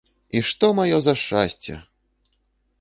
І што маё за шчасце?